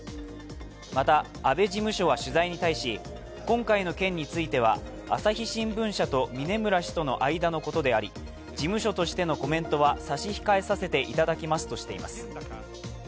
また、安倍事務所は取材に対し、今回の件については朝日新聞社と峯村氏との間のことであり事務所としてのコメントは差し控えさせていただきますとしています。